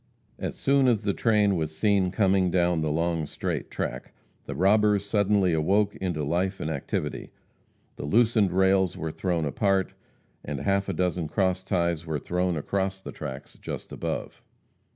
As soon as the train was seen coming down the long straight track, the robbers suddenly awoke into life and activity. The loosened rails were thrown apart, and half a dozen cross ties were thrown across the tracks just above.